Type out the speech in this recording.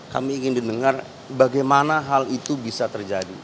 kami ingin didengar bagaimana hal itu bisa terjadi